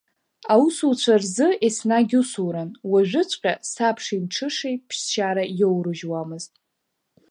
Аусуцәа рзы еснагь усуран, уажәыҵәҟьа сабшеи мҽышеи ԥсшьара иоурыжьуамызт.